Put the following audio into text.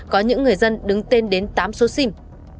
có những người dân đứng tên đến tám số sim